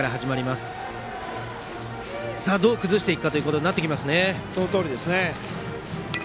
日當投手をどう崩していくかということになっていきますね。